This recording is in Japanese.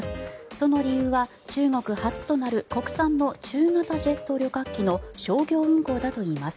その理由は中国初となる国産の中型ジェット旅客機の商業運航だといいます。